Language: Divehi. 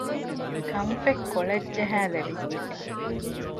ކަންފަތް ކޮޅަށް ޖަހައިލެވިއްޖެ